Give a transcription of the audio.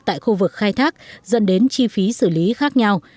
tại khu vực khai thác dẫn đến chi phí xử lý khác nhau